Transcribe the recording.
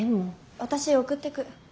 私送ってく。